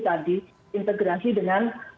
tadi integrasi dengan